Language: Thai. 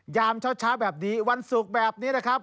ยามเช้าแบบนี้วันศุกร์แบบนี้นะครับ